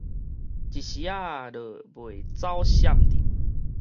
一絲仔就袂走閃得